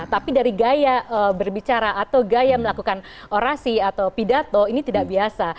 tapi dari gaya berbicara atau gaya melakukan orasi atau pidato ini tidak biasa